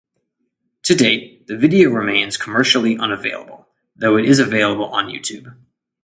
To date, the video remains commercially unavailable, though it is available on YouTube.